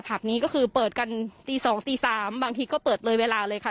ผับนี้ก็คือเปิดกันตี๒ตี๓บางทีก็เปิดเลยเวลาเลยค่ะ